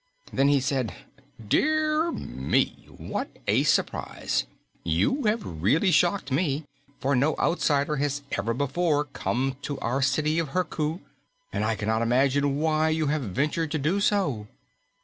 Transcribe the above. Then he said, "Dear me, what a surprise! You have really shocked me. For no outsider has ever before come to our City of Herku, and I cannot imagine why you have ventured to do so."